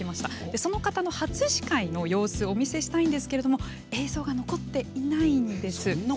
その方の初司会の様子をお見せしたいんですが映像が残っていないんです。